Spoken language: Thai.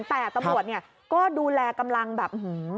แต่ตำรวจเนี่ยก็ดูแลกำลังแบบ